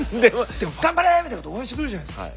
でも「頑張れ！」みたいなこと応援してくれるじゃないですか。